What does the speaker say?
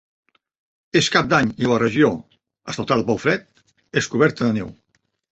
És Cap d'any i la regió, assaltada pel fred, és coberta de neu.